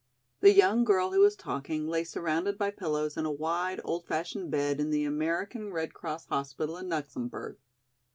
The young girl who was talking lay surrounded by pillows in a wide, old fashioned bed in the American Red Cross hospital in Luxemburg.